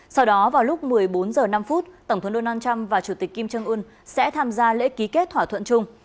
sau đó vào lúc một mươi bốn giờ năm phút tổng thống donald trump và chủ tịch kim sương ưn sẽ tham gia lễ ký kết thỏa thuận chung